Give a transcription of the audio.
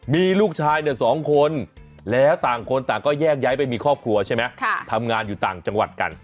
มีลูกชาย๒คนแล้วต่างคนต่างก็แยกย้ายไปมีครอบครัวใช่ไหมทำงานอยู่ต่างจังหวัดกัน